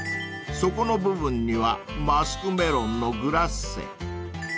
［底の部分にはマスクメロンのグラッセ］